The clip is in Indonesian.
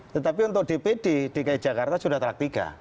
tetapi untuk dpd dki jakarta sudah terlak tiga